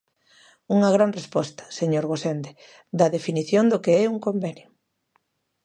Unha gran resposta, señor Gosende, da definición do que é un convenio.